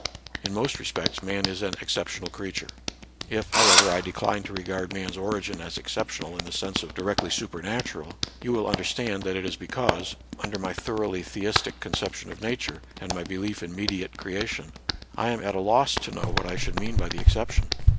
In most respects, man is an exceptional creature. If, however, I decline to regard man's origin as exceptional in the sense of directly supernatural, you will un derstand that it is because, under my thoroughly 100 NATURAL SCIENCE AND RELIGION. theistic conception of Nature, and my belief in mediate creation, I am at a loss to know what I should mean by the exception.